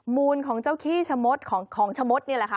มูลของเจ้าขี้ชะมดของชะมดนี่แหละค่ะ